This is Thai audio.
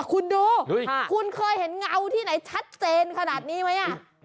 คุณดูคุณเคยเห็นเงาที่ไหนชัดเจนขนาดนี้ไหม